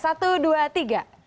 satu dua tiga